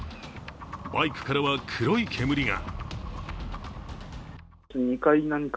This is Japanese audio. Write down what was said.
バイクからは黒い煙が。